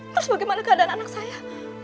terus bagaimana keadaan anak saya